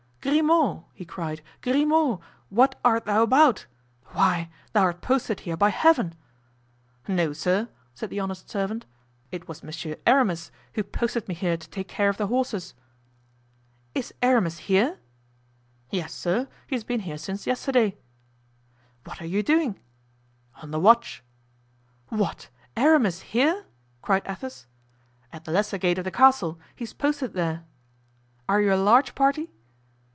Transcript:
"Grimaud!" he cried; "Grimaud! what art thou about? Why, thou art posted here by Heaven!" "No, sir," said the honest servant, "it was Monsieur Aramis who posted me here to take care of the horses." "Is Aramis here?" "Yes, sir; he has been here since yesterday." "What are you doing?" "On the watch——" "What! Aramis here?" cried Athos. "At the lesser gate of the castle; he's posted there." "Are you a large party?"